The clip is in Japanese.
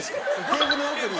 テーブルの奥に。